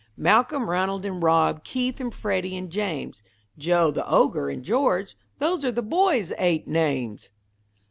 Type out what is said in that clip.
"Malcolm, Ranald, and Rob, Keith and Freddy, and James, Joe the Ogre, and George. Those are the boys' eight names."